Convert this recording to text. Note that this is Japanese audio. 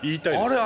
あれ？